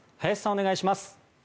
お願いします。